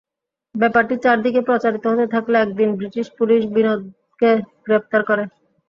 ব্যাপারটি চারদিকে প্রচারিত হতে থাকলে একদিন ব্রিটিশ পুলিশ বিনোদকে গ্রেপ্তার করে।